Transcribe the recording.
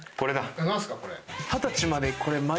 何すかこれ。